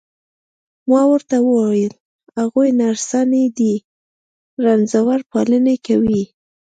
ما ورته وویل: هغوی نرسانې دي، رنځور پالني کوي.